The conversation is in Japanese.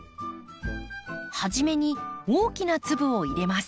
はじめに大きな粒を入れます。